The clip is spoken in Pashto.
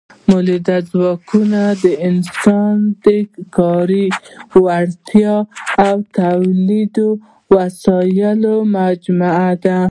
مؤلده ځواکونه د انسان د کاري وړتیا او تولیدي وسایلو مجموعه ده.